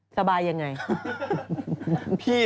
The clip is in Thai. สบายยังไง